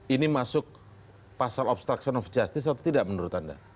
ini masuk pasal obstruction of justice atau tidak menurut anda